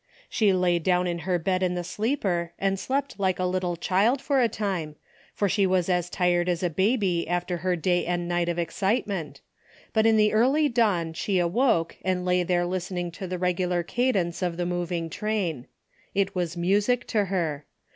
She lay down in her bed in the sleeper and slept like a little child for a time, for she was as tired as a baby after her day and 'night of excitement, but in the early dawn she awoke and lay there listen ing to the regular cadence of the moving train. It was music to her.